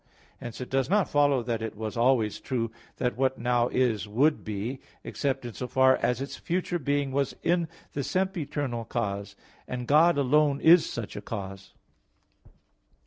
Hence it does not follow that it was always true that what now is would be, except in so far as its future being was in the sempiternal cause; and God alone is such a cause.